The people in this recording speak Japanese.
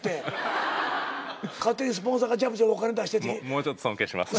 もうちょっと尊敬します。